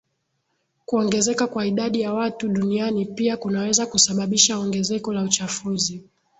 Kuongezeka kwa idadi ya watu duniani pia kunaweza kusababisha ongezeko la uchafuzi